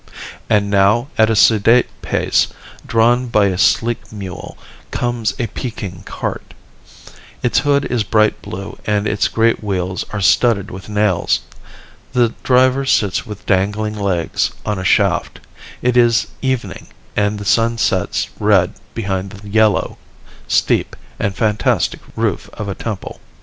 And now at a sedate pace, drawn by a sleek mule, comes a Peking cart. Its hood is bright blue and its great wheels are studded with nails. The driver sits with dangling legs on a shaft. It is evening and the sun sets red behind the yellow, steep, and fantastic roof of a temple.